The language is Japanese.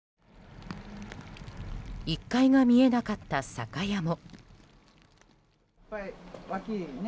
１階が見えなかった酒屋も。